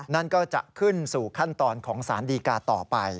นั่นก็จะขึ้นสู่ขั้นตอนของสารดีกาต่อไป